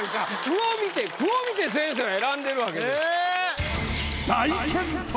句を見て句を見て先生が選んでるわけで。